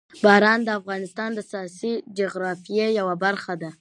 باران د افغانستان د سیاسي جغرافیه یوه برخه ده.